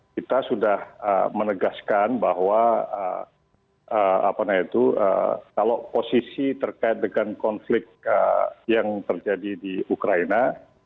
kita sudah menegaskan bahwa kalau posisi terkait dengan konflik yang terjadi di ukraina